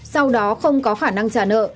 sau đó không có khả năng trả nợ